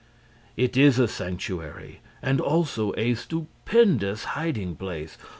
It is a sanctuary and also a stupendous hiding place.